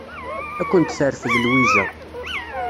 Ad kent-terfed Lwiza.